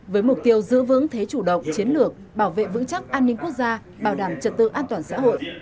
với mục tiêu giữ vững thế chủ động chiến lược bảo vệ vững chắc an ninh quốc gia bảo đảm trật tự an toàn xã hội